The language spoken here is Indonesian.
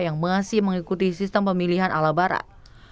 yang masih mengikuti sistem pemilihan ala barat